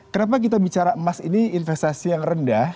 kenapa kita bicara emas ini investasi yang rendah